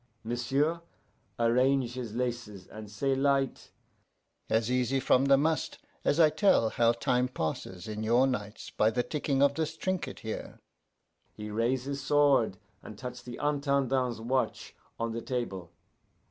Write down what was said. M'sieu' arrange his laces, and say light, 'As easy from the must as I tell how time passes in your nights by the ticking of this trinket here.' He raise his sword and touch the Intendant's watch on the table.